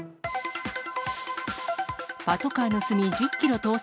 パトカー盗み１０キロ逃走。